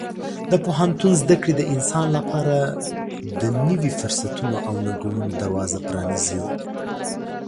د پوهنتون زده کړې د انسان لپاره د نوي فرصتونو او ننګونو دروازه پرانیزي.